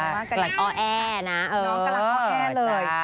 กลักเกอร์แอร์นะเออน้องกลักเกอร์แอร์เลย